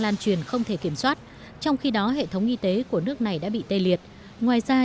lan truyền không thể kiểm soát trong khi đó hệ thống y tế của nước này đã bị tê liệt ngoài ra